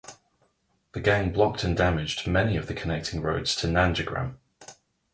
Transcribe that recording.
The gang blocked and damaged many connecting roads to Nandigram.